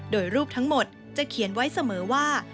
โดยรูปทั้งหมดจะเขียนไว้เสมอว่า